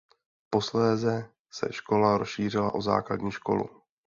Posléze se škola rozšířila o základní školu.